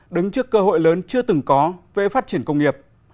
đứng trước cơ hội lớn chưa từng có về phát triển công nghiệp